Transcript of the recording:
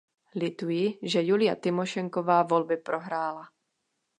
Lituji, že Julia Tymošenková volby prohrála.